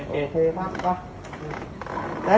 ไม่หายใจ